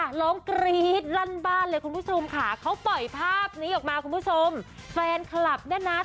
ก่อนหน้านั้นนะเห็นแล้วเลยจ๊ะ